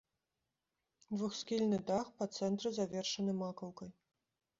Двухсхільны дах па цэнтры завершаны макаўкай.